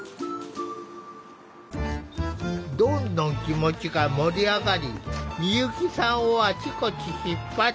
どんどん気持ちが盛り上がり美由紀さんをあちこち引っ張っていく。